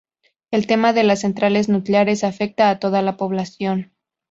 El tema de las centrales nucleares afecta a toda la población.